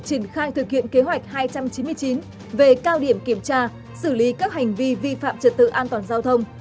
triển khai thực hiện kế hoạch hai trăm chín mươi chín về cao điểm kiểm tra xử lý các hành vi vi phạm trật tự an toàn giao thông